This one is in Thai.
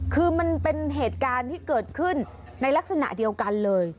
คือมันเป็นเหตุการณ์ที่เกิดขึ้นในลักษณะเดียวกันเลย